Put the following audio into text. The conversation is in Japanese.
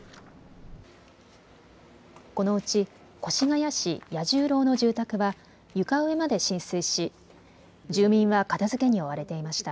このうち越谷市弥十郎の住宅は床上まで浸水し住民は片づけに追われていました。